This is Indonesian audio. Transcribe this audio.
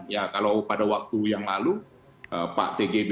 ya kalau pada waktu yang lalu pak tgb